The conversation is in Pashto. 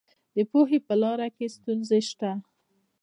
د پوهې په لاره کې ستونزې شته.